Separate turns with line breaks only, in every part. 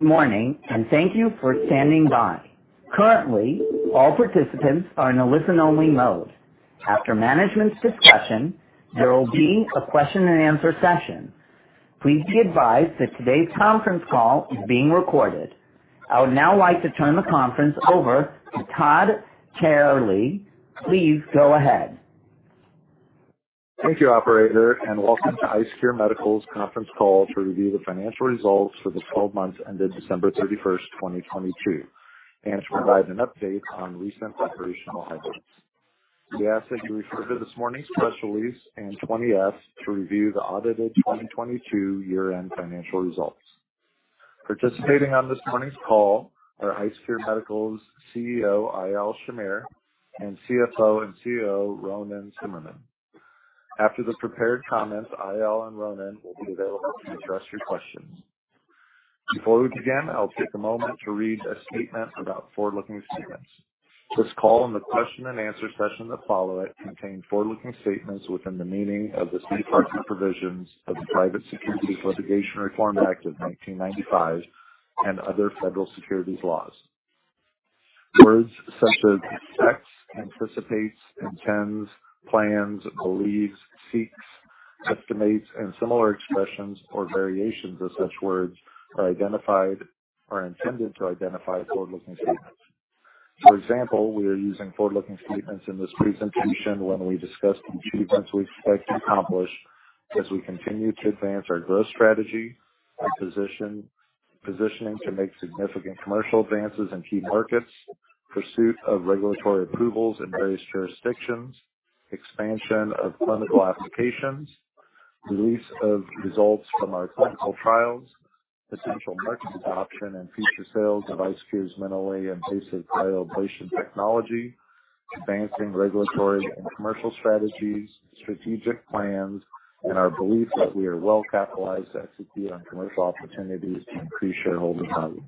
Good morning, thank you for standing by. Currently, all participants are in a listen only mode. After management's discussion, there will be a question and answer session. Please be advised that today's conference call is being recorded. I would now like to turn the conference over to Todd Kehrli. Please go ahead.
Thank you, operator. Welcome to IceCure Medical's conference call to review the financial results for the 12 months ended December 31st, 2022, and to provide an update on recent operational highlights. We ask that you refer to this morning's press release and 20-F to review the audited 2022 year-end financial results. Participating on this morning's call are IceCure Medical's CEO, Eyal Shamir, and CFO and COO, Ronen Zimmerman. After the prepared comments, Eyal and Ronen will be available to address your questions. Before we begin, I'll take a moment to read a statement about forward-looking statements. This call and the question and answer session that follow it contain forward-looking statements within the meaning of the safe harbor provisions of the Private Securities Litigation Reform Act of 1995 and other federal securities laws. Words such as expects, anticipates, intends, plans, believes, seeks, estimates and similar expressions or variations of such words are identified or intended to identify forward-looking statements. For example, we are using forward-looking statements in this presentation when we discuss the achievements we expect to accomplish as we continue to advance our growth strategy, our positioning to make significant commercial advances in key markets, pursuit of regulatory approvals in various jurisdictions, expansion of clinical applications, release of results from our clinical trials, potential market adoption and future sales of IceCure's Minily and Basic cryoablation technology, advancing regulatory and commercial strategies, strategic plans and our belief that we are well capitalized to succeed on commercial opportunities to increase shareholder value.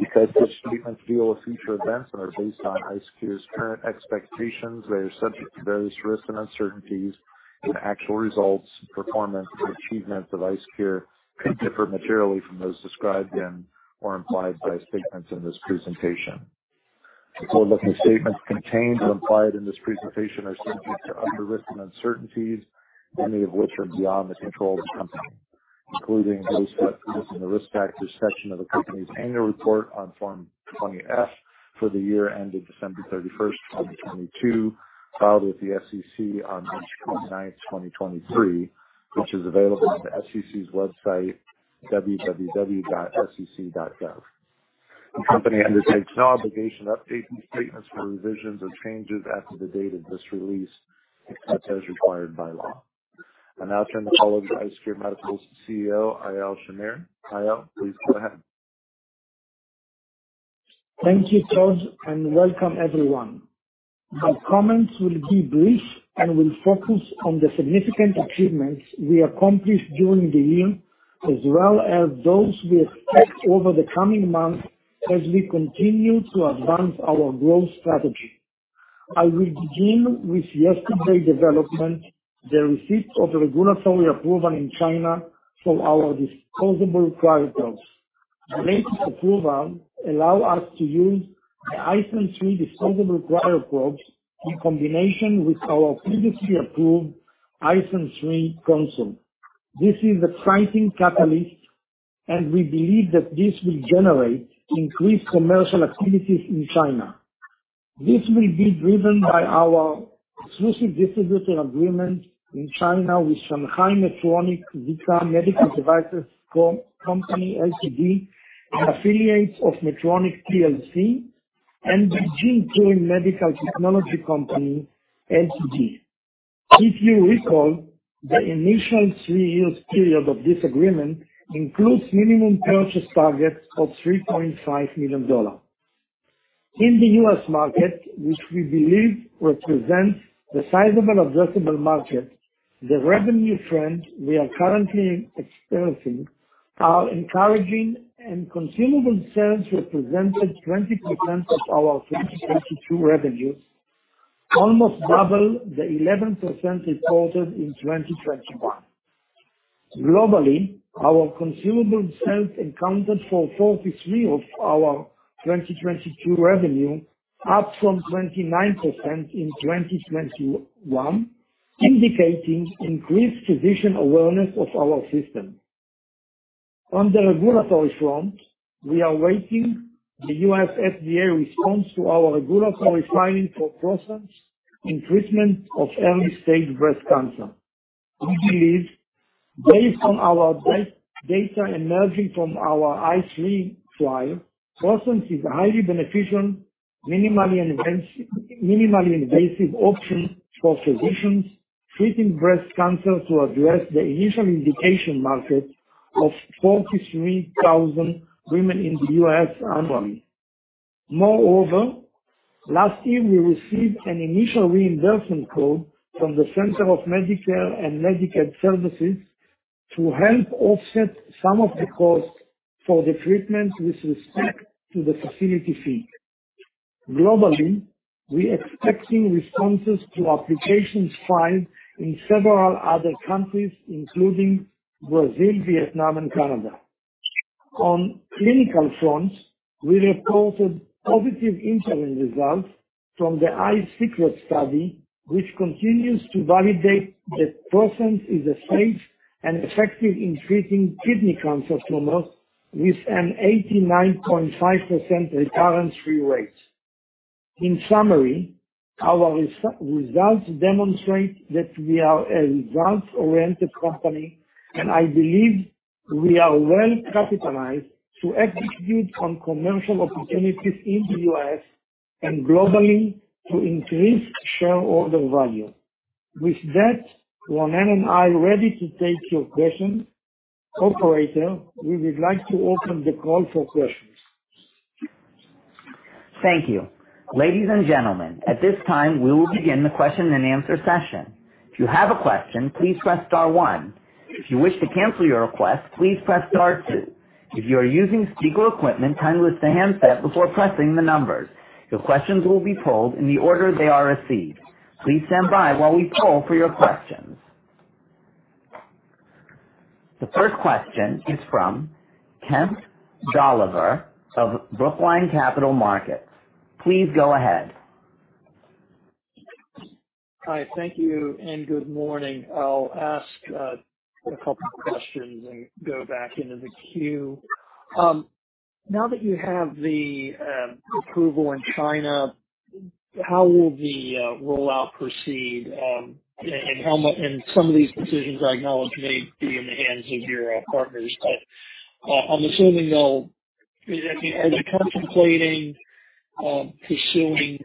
Because such statements deal with future events and are based on IceCure's current expectations, they are subject to various risks and uncertainties, and actual results, performance and achievement of IceCure could differ materially from those described and or implied by statements in this presentation. The forward-looking statements contained or implied in this presentation are subject to other risks and uncertainties, many of which are beyond the control of the company, including those described in the Risk Factors section of the company's annual report on Form 20-S for the year ended December 31st, 2022, filed with the SEC on March 29, 2023, which is available on the SEC's website, www.sec.gov. The company undertakes no obligation to update these statements for revisions or changes after the date of this release, except as required by law. I now turn the call over to IceCure Medical's CEO, Eyal Shamir. Eyal, please go ahead.
Thank you, Todd, and welcome everyone. My comments will be brief and will focus on the significant achievements we accomplished during the year as well as those we expect over the coming months as we continue to advance our growth strategy. I will begin with yesterday's development, the receipt of regulatory approval in China for our disposable cryoprobes. The latest approval allow us to use the IceSense3 disposable cryoprobes in combination with our previously approved IceSense3 console. This is an exciting catalyst and we believe that this will generate increased commercial activities in China. This will be driven by our exclusive distribution agreement in China with Shanghai Medtronic Zhikang Medical Devices Co. Ltd., an affiliate of Medtronic plc and Beijing Turing Medical Technology Co. Ltd.. If you recall, the initial three years period of this agreement includes minimum purchase target of $3.5 million. In the U.S. market, which we believe represents the sizable addressable market. The revenue trends we are currently experiencing are encouraging and consumable sales represented 20% of our 2022 revenue, almost double the 11% reported in 2021. Globally, our consumable sales accounted for 43% of our 2022 revenue, up from 29% in 2021, indicating increased physician awareness of our system. On the regulatory front, we are awaiting the U.S. FDA response to our regulatory filing for ProSense in treatment of early-stage breast cancer. We believe based on our data emerging from our ICE3 trial, ProSense is a highly beneficial, minimally invasive option for physicians treating breast cancer to address the initial indication market of 43,000 women in the U.S. annually. Moreover, last year we received an initial reimbursement code from the Centers for Medicare & Medicaid Services to help offset some of the costs for the treatment with respect to the facility fee. Globally, we're expecting responses to applications filed in several other countries, including Brazil, Vietnam and Canada. On clinical front, we reported positive interim results from the ICESECRET study, which continues to validate that ProSense is a safe and effective in treating kidney cancer tumors with an 89.5% recurrence-free rate. In summary, our results demonstrate that we are a results-oriented company, and I believe we are well-capitalized to execute on commercial opportunities in the US and globally to increase shareholder value. With that, Ronen and I are ready to take your questions. Operator, we would like to open the call for questions.
Thank you. Ladies and gentlemen, at this time, we will begin the question-and-answer session. If you have a question, please press star one. If you wish to cancel your request, please press star two. If you are using speaker equipment, unlist the handset before pressing the numbers. Your questions will be pulled in the order they are received. Please stand by while we poll for your questions. The first question is from Kemp Dolliver of Brookline Capital Markets. Please go ahead.
Hi. Thank you and good morning. I'll ask a couple questions and go back into the queue. Now that you have the approval in China, how will the rollout proceed? How much... Some of these decisions I acknowledge may be in the hands of your partners, but I'm assuming you'll... I mean, are you contemplating pursuing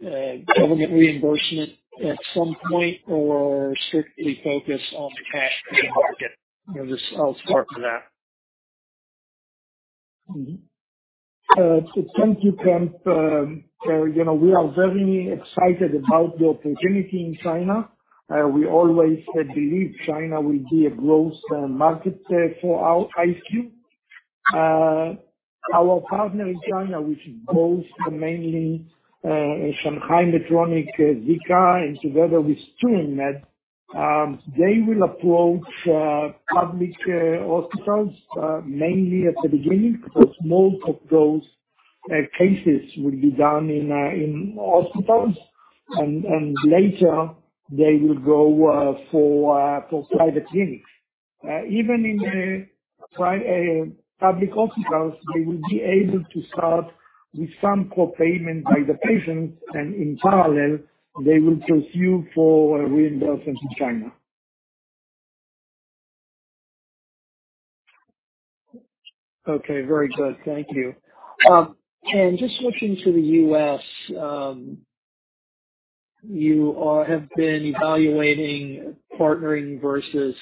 government reimbursement at some point, or strictly focused on the cash-pay market? You know, just I'll start with that.
Thank you, Kemp. You know, we are very excited about the opportunity in China. We always had believed China will be a growth market for our ProSense. Our partner in China, which is both mainly Shanghai Medtronic Zhikang, and together with Turing Medical, they will approach public hospitals mainly at the beginning, because most of those cases will be done in hospitals. Later, they will go for private clinics. Even in the public hospitals, they will be able to start with some co-payment by the patients, and in parallel, they will pursue for reimbursement in China.
Okay. Very good. Thank you. Just switching to the U.S., you have been evaluating partnering versus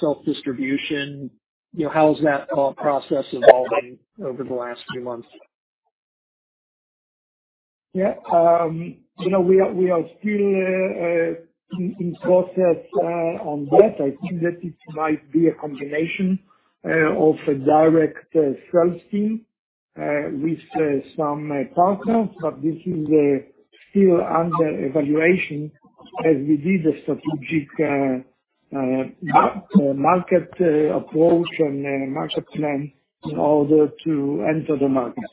self-distribution. You know, how has that whole process evolving over the last few months?
Yeah. You know, we are still in process on that. I think that it might be a combination of a direct sales team with some partners. This is still under evaluation as we did a strategic market approach and a market plan in order to enter the market.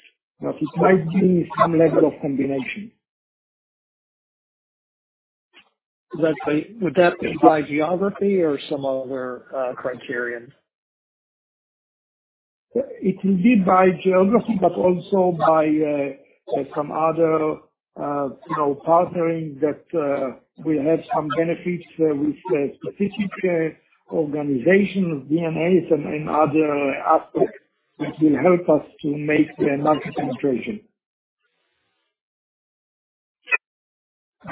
It might be some level of combination.
Would that be by geography or some other criterion?
It will be by geography, but also by some other, you know, partnering that will have some benefits with specific organization of NDAs and other aspects which will help us to make the market penetration.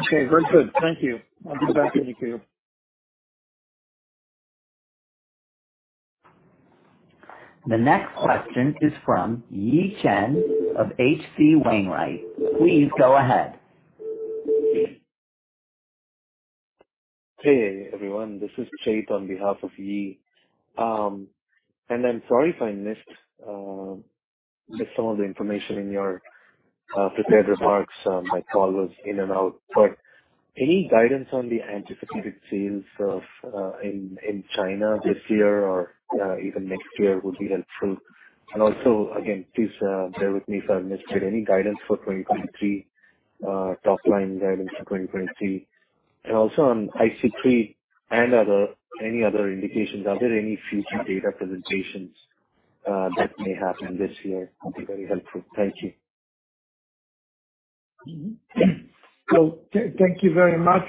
Okay. Very good. Thank you. I'll be back in the queue.
The next question is from Yi Chen of H.C. Wainwright. Please go ahead.
Hey, everyone. This is [Chet] on behalf of Yi. I'm sorry if I missed some of the information in your prepared remarks. My call was in and out. Any guidance on the anticipated sales in China this year or even next year would be helpful. Also, again, please bear with me if I missed it, any guidance for 2023, top line guidance for 2023. Also on ICE3, any other indications, are there any future data presentations that may happen this year? That'd be very helpful. Thank you.
Thank you very much.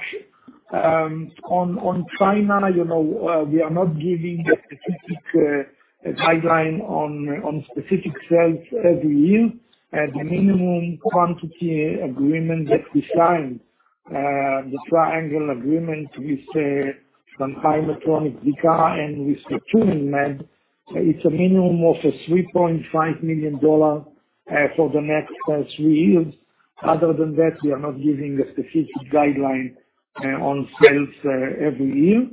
On China, you know, we are not giving a specific guideline on specific sales every year. At the minimum quantity agreement that we signed, the triangle agreement with Shanghai Medtronic Zhikang and with the Turing Medical, it's a minimum of $3.5 million for the next three years. Other than that, we are not giving a specific guideline on sales every year.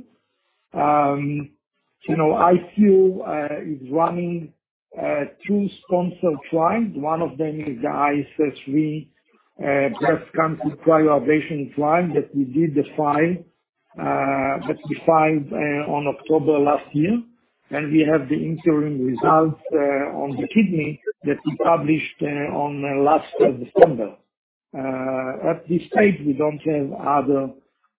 You know, IceCure is running two sponsored trials. One of them is the ICE3 breast cancer cryoablation trial that we did the file, that we filed on October last year. And we have the interim results on the kidney that we published on last December. At this stage, we don't have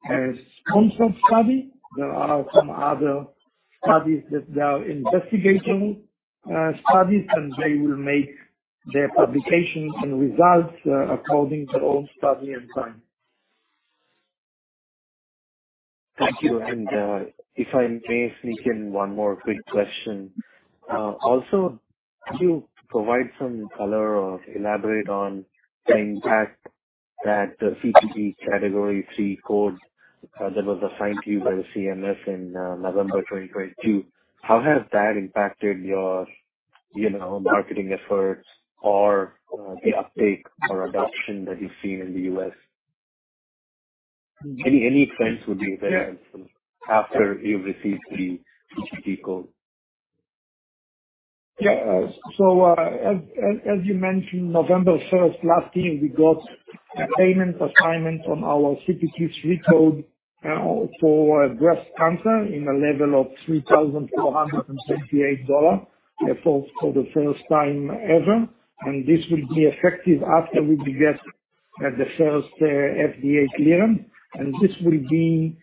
other sponsored study. There are some other studies that they are investigating, studies, and they will make their publications and results, according to own study and time.
Thank you. If I may sneak in one more quick question. Also, could you provide some color or elaborate on the impact that the CPT Category III code that was assigned to you by the CMS in November 2022, how has that impacted your, you know, marketing efforts or the uptake or adoption that you've seen in the U.S.? Any trends would be there after you've received the CPT code.
Yeah. As you mentioned, November 1st last year, we got a payment assignment from our CPT 3 code for breast cancer in a level of $3,468 for the first time ever. This will be effective after we will get the first FDA clearance. This will be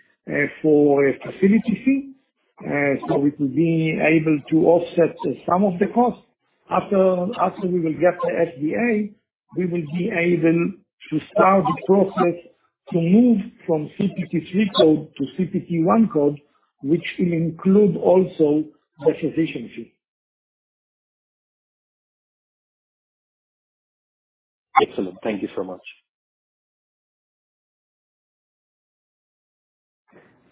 for a facility fee. We could be able to offset some of the costs. After we will get the FDA, we will be able to start the process to move from CPT 3 code to CPT 1 code, which will include also the physician fee.
Excellent. Thank you so much.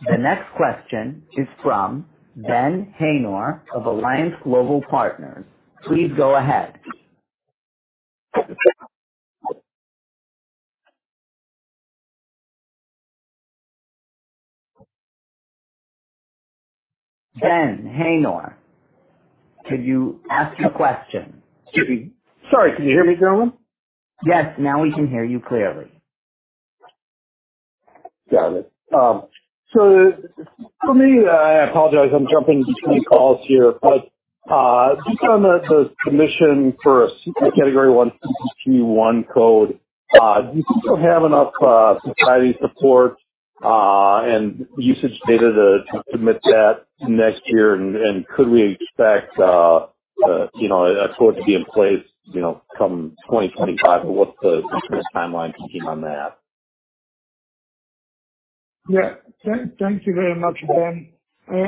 The next question is from Ben Haynor of Alliance Global Partners. Please go ahead. Ben Haynor, could you ask your question?
Excuse me. Sorry, can you hear me, gentlemen?
Yes. Now we can hear you clearly.
Got it. I apologize, I'm jumping between calls here. Just on the permission for a Category I CPT I code, do you still have enough society support and usage data to submit that next year? Could we expect, you know, a code to be in place, you know, come 2025? What's the approximate timeline team on that?
Yeah. Thank you very much, Ben.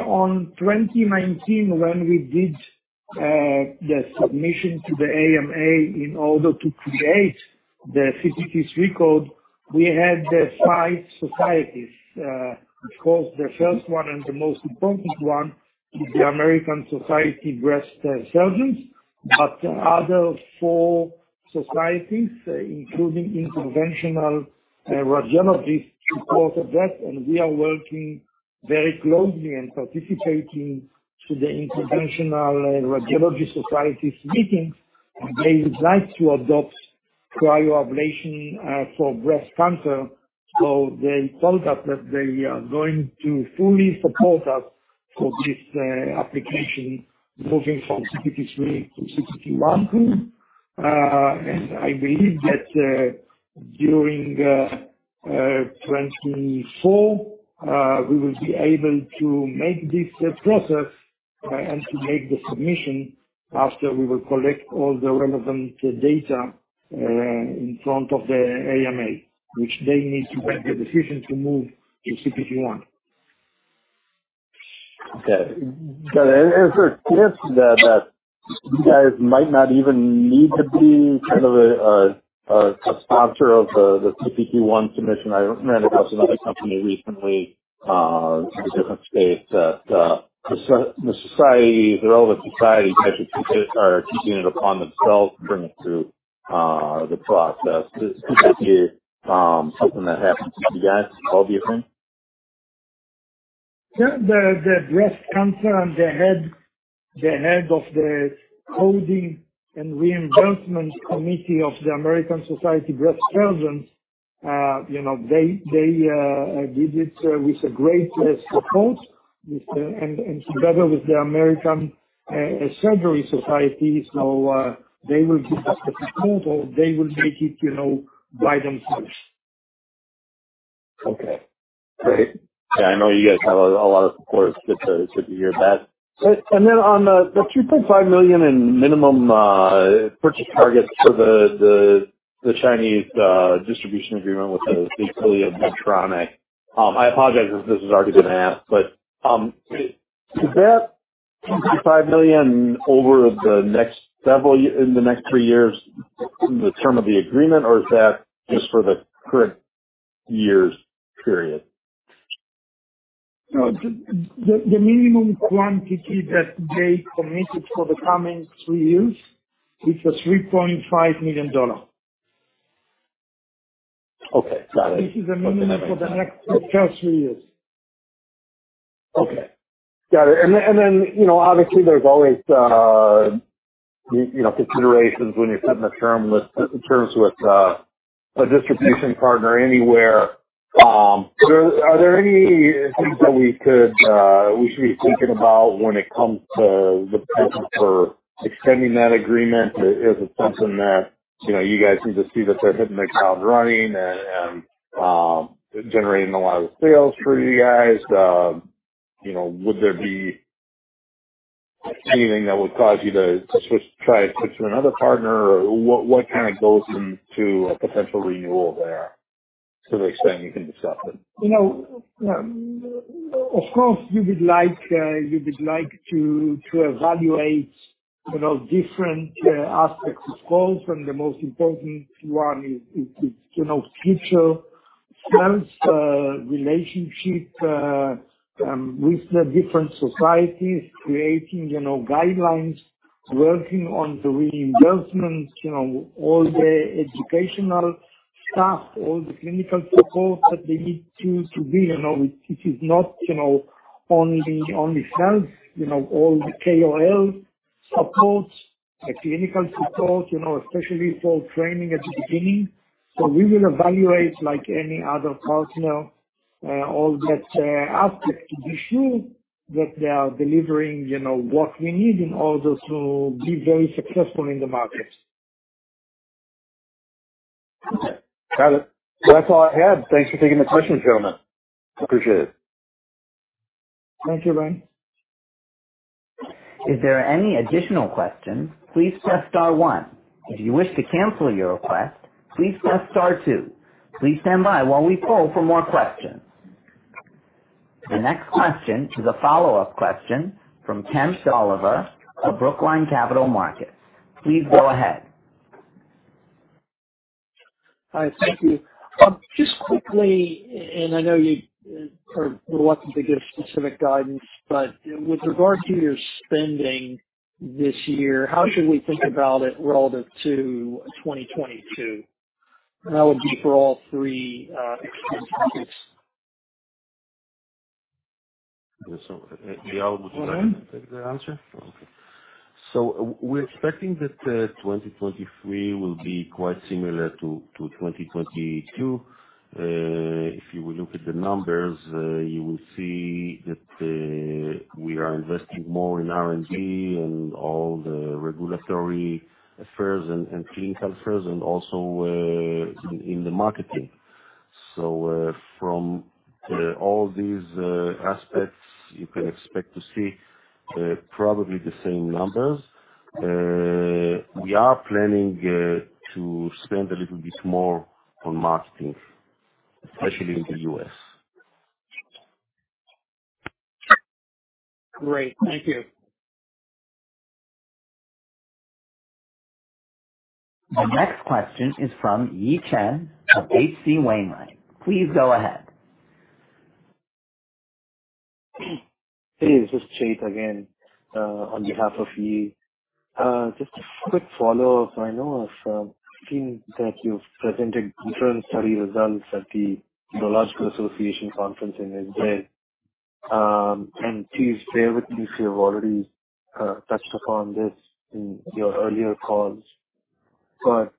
On 2019, when we did the submission to the AMA in order to create the CPT 3 code, we had the five societies. Of course, the first one and the most important one is the American Society of Breast Surgeons. The other four societies, including Interventional Radiology, supported that, and we are working very closely and participating to the Interventional Radiology society's meetings, and they would like to adopt cryoablation for breast cancer. They told us that they are going to fully support us for this application moving from CPT 3 to CPT 1 code. I believe that, during 2024, we will be able to make this process and to make the submission after we will collect all the relevant data, in front of the AMA, which they need to make a decision to move in CPT 1.
Okay. Is there a chance that you guys might not even need to be kind of a sponsor of the CPT 1 submission? I read about another company recently in a different space that the societies, the relevant societies type of took it, are taking it upon themselves to bring it through the process. Do you think something that happens to you guys, how do you think?
Yeah. The breast cancer and the head of the coding and reimbursement committee of the American Society of Breast Surgeons, you know, they did it with a great support with and together with the American Surgery Society. They will give us the support, or they will make it, you know, by themselves.
Okay. Great. Yeah, I know you guys have a lot of support. It's good to hear that. Then on the $2.5 million in minimum purchase targets for the Chinese distribution agreement with the affiliate Medtronic. I apologize if this has already been asked, is that $2.5 million over the next several in the next three years in the term of the agreement, or is that just for the current year's period?
No. The minimum quantity that they committed for the coming three years is the $3.5 million dollar.
Okay, got it.
This is a minimum for next three years.
Okay. Got it. You know, obviously there's always, you know, considerations when you're setting terms with a distribution partner anywhere. Are there any things that we could, we should be thinking about when it comes to the potential for extending that agreement? Is it something that, you know, you guys seem to see that they're hitting the ground running and generating a lot of sales for you guys? You know, would there be anything that would cause you to switch, try to switch to another partner? Or what kind of goes into a potential renewal there, to the extent you can discuss it?
You know, of course you would like, you would like to evaluate, you know, different aspects of calls, and the most important one is, you know, future sales, relationship with the different societies, creating, you know, guidelines, working on the reimbursements, you know, all the educational stuff, all the clinical support that they need to be. You know, it is not, you know, only sales. You know, all the KOL support, the clinical support, you know, especially for training at the beginning. We will evaluate like any other partner, all that aspect to be sure that they are delivering, you know, what we need in order to be very successful in the market.
Okay. Got it. That's all I had. Thanks for taking the questions, gentlemen. Appreciate it.
Thank you, Ben.
If there are any additional questions, please press star one. If you wish to cancel your request, please press star two. Please stand by while we poll for more questions. The next question is a follow-up question from Kemp Dolliver of Brookline Capital Markets. Please go ahead.
Hi. Thank you. Just quickly, I know you are reluctant to give specific guidance, but with regard to your spending this year, how should we think about it relative to 2022? That would be for all three expense cases.
Eyal, would you like to take the answer? Okay. We're expecting that 2023 will be quite similar to 2022. If you will look at the numbers, you will see that we are investing more in R&D and all the regulatory affairs and clinical affairs, and also in the marketing. From all these aspects, you can expect to see probably the same numbers. We are planning to spend a little bit more on marketing, especially in the U.S.
Great. Thank you.
The next question is from Yi Chen of H.C. Wainwright. Please go ahead.
Hey, this is [Chet] again, on behalf of Yi. Just a quick follow-up. I know of, I've seen that you've presented interim study results at the Urological Association conference in Israel. Please bear with me if you've already touched upon this in your earlier calls. What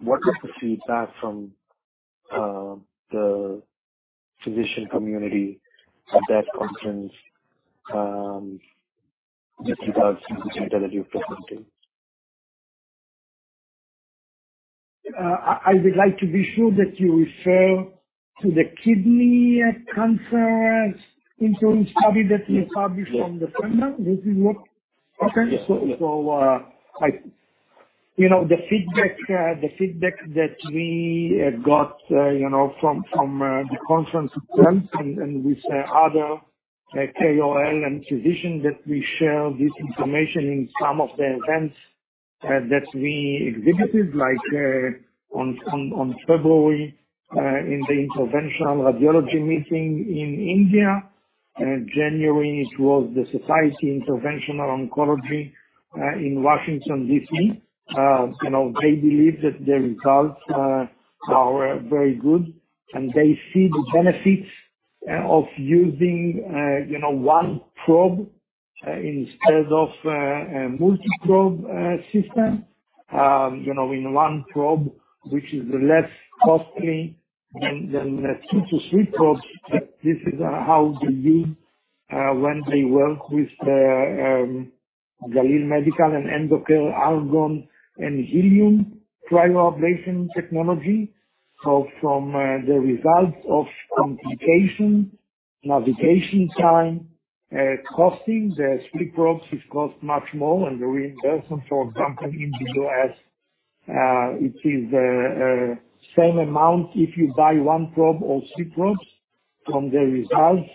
was the feedback from the physician community at that conference, with regards to the data that you're presenting?
I would like to be sure that you refer to the kidney cancer interim study that we published from the partner. This is what-
Okay.
You know, the feedback that we got, you know, from the conference itself and with other KOL and physicians that we share this information in some of the events that we exhibited, like on February, in the interventional radiology meeting in India. January it was the Society Interventional Oncology in Washington D.C. You know, they believe that the results are very good, they see the benefits of using, you know, one probe instead of a multi-probe system. You know, in one probe, which is less costly than the two to three probes, that this is how they do when they work with the Galil Medical and Endocare argon and helium cryoablation technology. From the results of complication, navigation time, costing, the three probes which cost much more and the reimbursement, for example, in the U.S., it is a same amount if you buy one probe or three probes. From the results,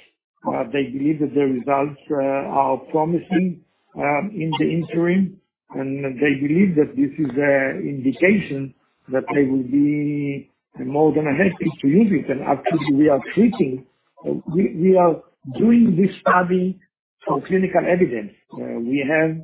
they believe that the results are promising in the interim, and they believe that this is an indication that they will be more than happy to use it. Actually, we are doing this study for clinical evidence. We have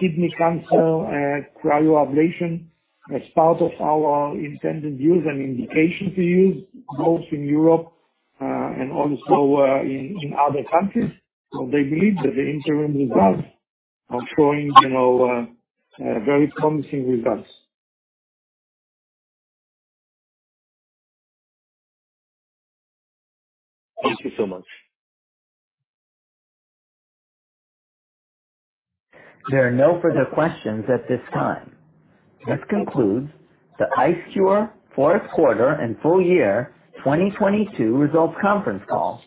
kidney cancer cryoablation as part of our intended use and indication to use both in Europe and also in other countries. They believe that the interim results are showing, you know, very promising results.
Thank you so much.
There are no further questions at this time. This concludes the IceCure Q4 and full year 2022 results conference call.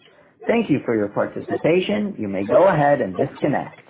Thank you for your participation. You may go ahead and disconnect.